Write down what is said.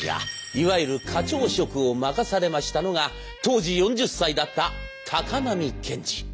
いわゆる課長職を任されましたのが当時４０歳だった高波健二。